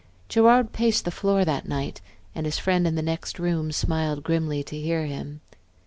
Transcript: Gerard paced the floor that night, and his friend in the next room smiled grimly to hear him.